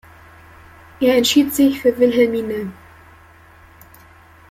Er entschied sich für Wilhelmine.